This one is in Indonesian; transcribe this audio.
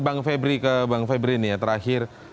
bang febri ke bang febri ini ya terakhir